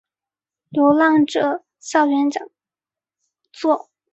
流浪者校园讲座